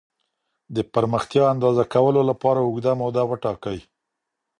د پرمختيا اندازه کولو لپاره اوږده موده وټاکئ.